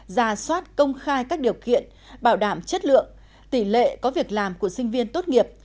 ra soát công khai các điều kiện bảo đảm chất lượng tỷ lệ có việc làm của sinh viên tốt nghiệp